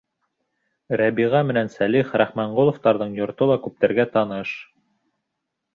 Рәбиға менән Сәлих Рахманғоловтарҙың йорто ла күптәргә таныш.